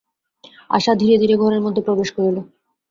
আশা ধীরে ধীরে ঘরের মধ্যে প্রবেশ করিল।